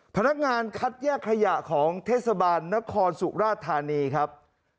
พนักงานคัดแยกขยะของเทศบาลนครสุราธานีครับ